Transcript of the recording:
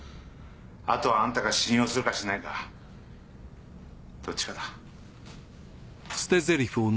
あとはアンタが信用するかしないかどっちかだ。